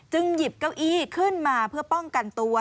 หยิบเก้าอี้ขึ้นมาเพื่อป้องกันตัว